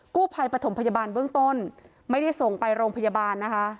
ภัยปฐมพยาบาลเบื้องต้นไม่ได้ส่งไปโรงพยาบาลนะคะ